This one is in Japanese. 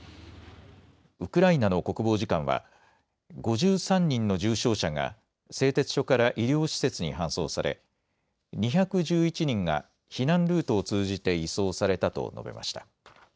ウクライナの国防次官は５３人の重傷者が製鉄所から医療施設に搬送され２１１人が避難ルートを通じて移送されたと述べました。